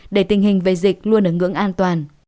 để tình hình về dịch luôn ứng ứng an toàn